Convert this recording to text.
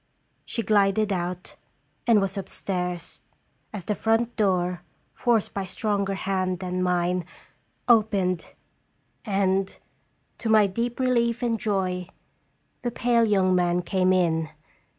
She glided out, and was upstairs, as the front door, forced by stronger hand than mine, opened, and, to my tl) HJeair SDeaft?" 317 deep relief and joy, the pale young man came in.